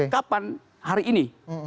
kapan hari ini